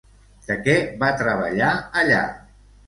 De què va treballar allà?